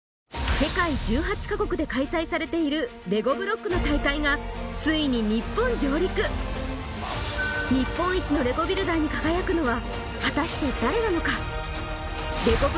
世界１８カ国で開催されているレゴブロックの大会がついに日本上陸日本一のレゴビルダーに輝くのは果たして誰なのか？